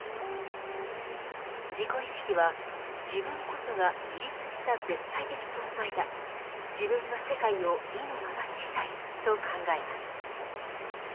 自己意識は「自分こそが自立した絶対的存在だ自分が世界を意のままにしたい」と考えます。